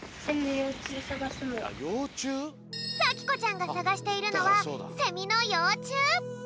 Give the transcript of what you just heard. さきこちゃんがさがしているのはセミのようちゅう！